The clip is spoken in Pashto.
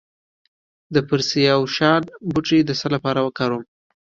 د پرسیاوشان بوټی د څه لپاره وکاروم؟